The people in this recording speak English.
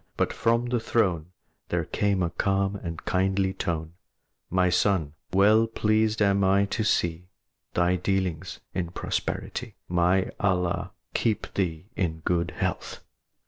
But from the throne There came a calm and kindly tone: "My son, well pleased am I to see Thy dealings in prosperity; May Allah keep thee in good health!